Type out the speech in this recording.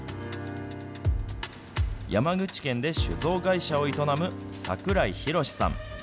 山口県で酒造会社を営む桜井博志さん。